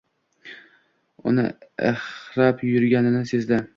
Uni ihrab yuborganini sezdi.